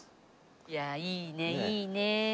いやいいねいいね。